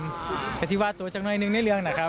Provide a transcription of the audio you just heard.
แต่ที่ว่าตัวจังหน่อยหนึ่งในเรื่องนะครับ